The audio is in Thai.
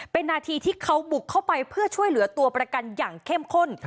เป็นนาทีที่เขาบุกเข้าไปเพื่อช่วยเหลือตัวประกันอย่างเข้มข้น